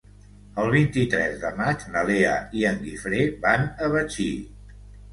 El vint-i-tres de maig na Lea i en Guifré van a Betxí.